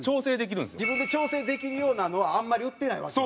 自分で調整できるようなのはあんまり売ってないわけよ。